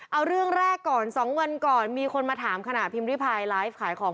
เอาเรื่องแรกก่อน๒วันก่อนมีคนมาถามขณะพิมพ์ริพายไลฟ์ขายของ